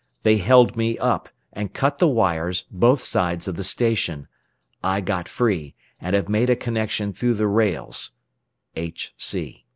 They held me up, and cut the wires both sides of the station. I got free, and have made a connection through the rails HC."